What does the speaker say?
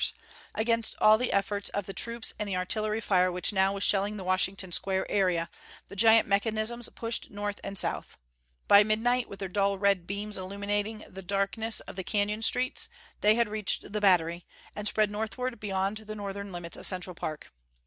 The city lights failed. Against all the efforts of the troops and the artillery fire which now was shelling the Washington Square area, the giant mechanisms pushed north and south. By midnight, with their dull red beams illumining the darkness of the canyon streets, they had reached the Battery, and spread northward beyond the northern limits of Central Park.